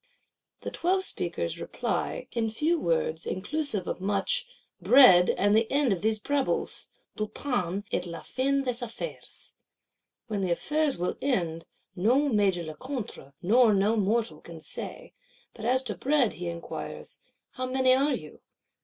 The twelve speakers reply, in few words inclusive of much: 'Bread, and the end of these brabbles, Du pain, et la fin des affaires.' When the affairs will end, no Major Lecointre, nor no mortal, can say; but as to bread, he inquires, How many are you?